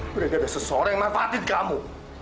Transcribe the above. beritahusah seorang yang manfaatin kamu